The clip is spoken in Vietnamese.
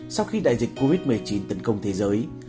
sau khi đại dịch covid một mươi chín tấn công thế giới